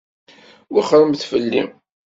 Wexxṛemt fell-i!